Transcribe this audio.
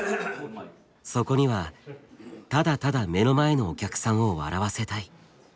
そこにはただただ目の前のお客さんを笑わせたい。